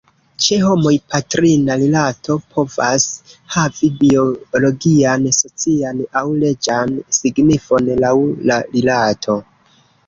Ĉe homoj, patrina rilato povas havi biologian, socian, aŭ leĝan signifon, laŭ la rilato.